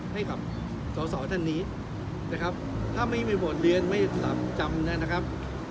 ให้กับสอสอท่านนี้นะครับถ้าไม่มีบทเรียนไม่จำนะครับ